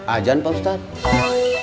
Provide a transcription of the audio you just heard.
ajan pak ustadz